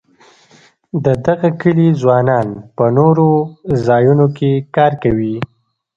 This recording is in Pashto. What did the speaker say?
د دغه کلي ځوانان په نورو ځایونو کې کار کوي.